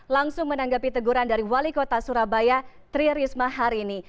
langsung menanggapi teguran dari wali kota surabaya tri risma hari ini